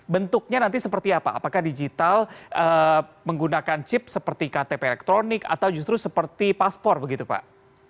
bentuknya nanti seperti apa apakah digital menggunakan chip seperti ktp elektronik atau justru seperti paspor begitu pak